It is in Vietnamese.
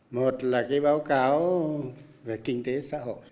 một là cái báo cáo về kinh tế xã hội